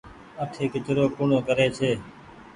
اٺي ڪچرو ڪوڻ ڪري ڇي ۔